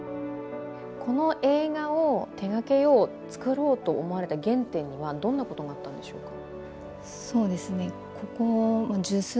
この映画を手がけよう、作ろうと思われた原点にはどんなことがあったんでしょうか？